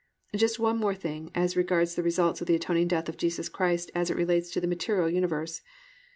Just one more thing as regards the results of the atoning death of Jesus Christ as it relates to the material universe.